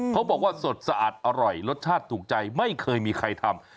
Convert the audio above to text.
เขาบอกว่าสดสะอาดอร่อยรสชาติถูกใจไม่เคยมีใครทำ